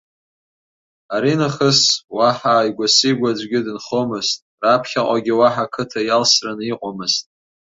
Аринахыс уаҳа ааигәа-сигәа аӡәгьы дынхомызт, раԥхьаҟагьы уаҳа қыҭа иалсраны иҟамызт.